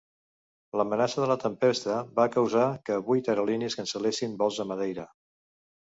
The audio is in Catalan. L'amenaça de la tempesta va causar que vuit aerolínies cancel·lessin vols a Madeira.